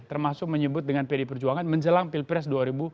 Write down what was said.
termasuk menyebut dengan pd perjuangan menjelang pilpres dua ribu dua puluh